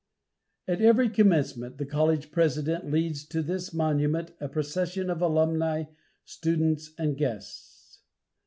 At every commencement, the college president leads to this monument a procession of alumni, students, and guests.